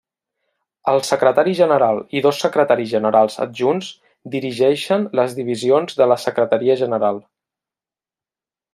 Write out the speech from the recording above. El Secretari General i dos Secretaris Generals Adjunts dirigeixen les divisions de la Secretaria General.